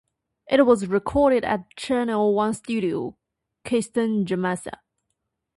It was recorded at Channel One Studio, Kingston, Jamaica.